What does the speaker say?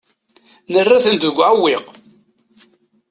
Nerra-tent deg uɛewwiq.